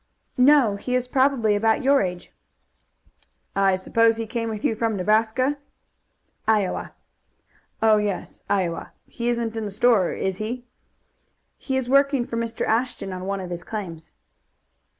"No; he is probably about your age." "I suppose he came with you from Nebraska?" "Iowa." "Oh, yes, Iowa. He isn't in the store, is he?" "He is working for Mr. Ashton on one of his claims."